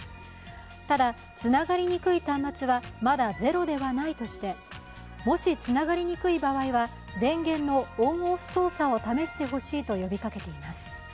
ただ、つながりにくい端末はまだゼロではないとしてもしつながりにくい場合は電源のオンオフ操作を試してほしいと呼びかけています。